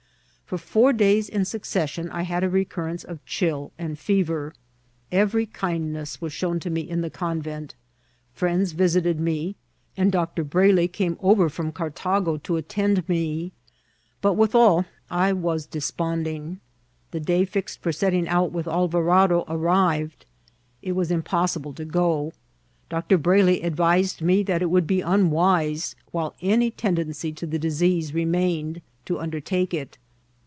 For four days in succession I had a recurrence of chill and fever. Every kindness was shown me in the con vent, friends visited me, and Dr. Brayley came over from Cartago to attend me, but withal I was despond ing. The day fixed for setting out with Alvarado ar rived. It was impossible to go ; Dr. Brayley advised me that it would be unwise, while any tendency to the disease remained, to undertake it.